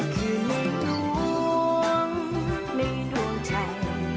คืนในดวงในดวงใจ